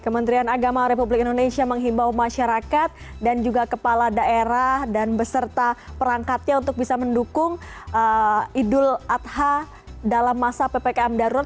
kementerian agama republik indonesia menghimbau masyarakat dan juga kepala daerah dan beserta perangkatnya untuk bisa mendukung idul adha dalam masa ppkm darurat